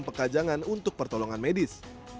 pempekajangan untuk pertolongan medis